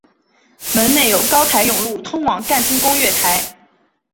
门内有高台甬路通往干清宫月台。